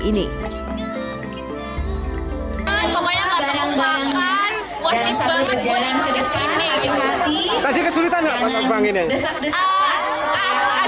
ini pokoknya banget banget gue ingin kesulitan agak kesulitan sih soalnya kan panasnya harus